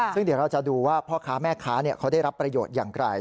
ซึ่งเดี๋ยวเราจะดูว่าพ่อค้าแม่ค้าเขาได้รับประโยชน์อย่างไกล